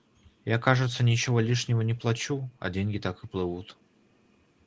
Я, кажется, ничего лишнего не плачу, а деньги так и плывут.